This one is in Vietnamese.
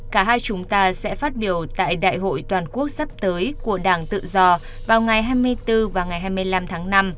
cả hai chúng ta sẽ phát biểu tại đại hội toàn quốc sắp tới của đảng tự do vào ngày hai mươi bốn và ngày hai mươi năm tháng năm